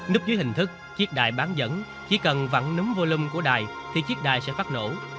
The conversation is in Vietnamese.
núp dưới hình thức chiếc đài bán dẫn chỉ cần vặn núm volume của đài thì chiếc đài sẽ phát nổ